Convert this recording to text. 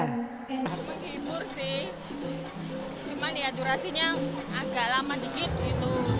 menghibur sih cuman ya durasinya agak lama dikit gitu